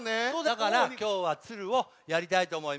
だからきょうはツルをやりたいとおもいます。